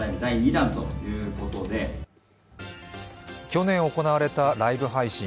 去年行われたライブ配信。